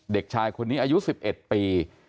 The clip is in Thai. เด็กชายคนนี้อายุ๑๑ปี